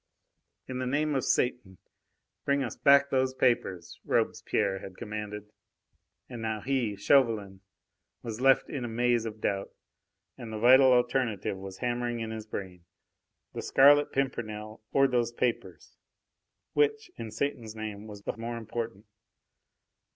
"In the name of Satan, bring us back those papers!" Robespierre had commanded. And now he Chauvelin was left in a maze of doubt; and the vital alternative was hammering in his brain: "The Scarlet Pimpernel or those papers " Which, in Satan's name, was the more important?